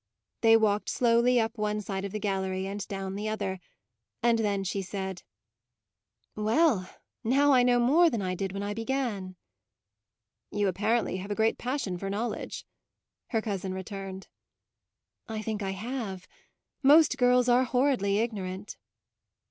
They walked slowly up one side of the gallery and down the other, and then she said: "Well, now I know more than I did when I began!" "You apparently have a great passion for knowledge," her cousin returned. "I think I have; most girls are horridly ignorant."